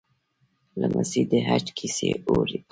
لمسی د حج کیسې اوري.